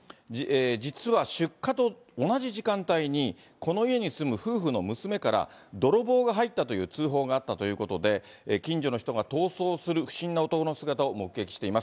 実は出火と同じ時間帯に、この家に住む夫婦の娘から、泥棒が入ったという通報があったということで、近所の人が逃走する不審な男の姿を目撃しています。